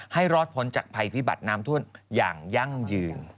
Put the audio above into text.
รอดพ้นจากภัยพิบัติน้ำท่วมอย่างยั่งยืน